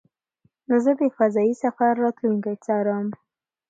زه د فضایي سفر راتلونکی څارم.